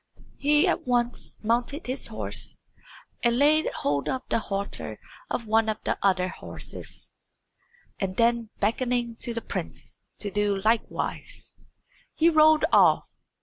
He at once mounted his horse and laid hold of the halter of one of the other horses, and then beckoning to the prince to do likewise, he rode off.